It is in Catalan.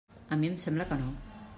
A mi em sembla que no.